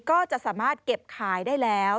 ก็จะสามารถเก็บขายได้แล้ว